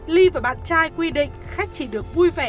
ly và bạn trai quy định khách chỉ được vui vẻ